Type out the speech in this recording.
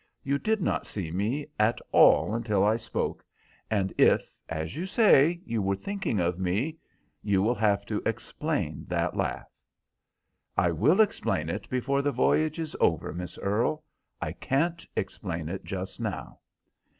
You did not see me at all until I spoke; and if, as you say, you were thinking of me, you will have to explain that laugh." "I will explain it before the voyage is over, Miss Earle. I can't explain it just now."